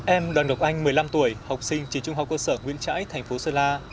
em đoàn ngọc anh một mươi năm tuổi học sinh trường trung học cơ sở nguyễn trãi thành phố sơn la